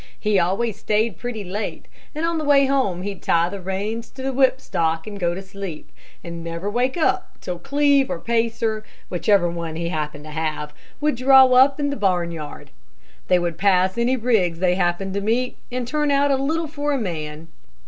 He always stayed pretty late, and on the way home he'd tie the reins to the whip stock and go to sleep, and never wake up till Cleve or Pacer, whichever one he happened to have, would draw up in the barnyard. They would pass any rigs they happened to meet, and turn out a little for a man.